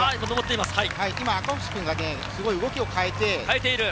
今、赤星君が動きを変えて。